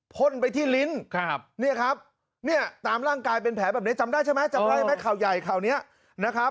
พ่นไปที่ลิ้นนี่ครับตามร่างกายเป็นแผลแบบนี้จำได้มั้ยข่าวยัย